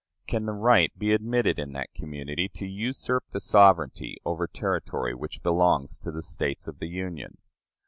Can the right be admitted in that community to usurp the sovereignty over territory which belongs to the States of the Union?